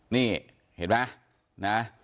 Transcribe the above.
นี่เห็นไหมนะ